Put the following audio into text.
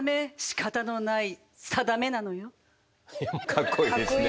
かっこいいですね。